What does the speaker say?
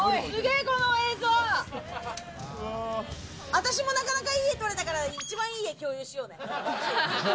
私もなかなかいい画撮れたから、一番いい画、共有しようね。